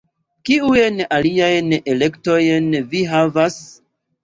Kiujn aliajn elektojn vi havas?